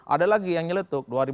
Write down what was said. ada lagi yang nyeletuk